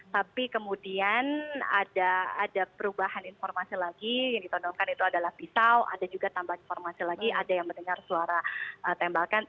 tapi kemudian ada perubahan informasi lagi yang ditondongkan itu adalah pisau ada juga tambahan informasi lagi ada yang mendengar suara tembakan